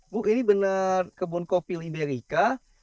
bu ini benar kebun kopi amerika